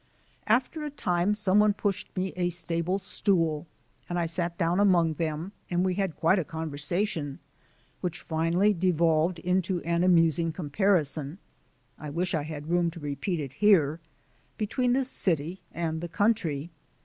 After a time some one pushed me a stable stool and I sat down among them, and we had quite a conversation, which finally developed into an amusing comparison (I wish I had room to repeat it here) between the city and the country.